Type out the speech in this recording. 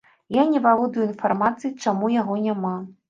Я не валодаю інфармацыяй, чаму яго няма.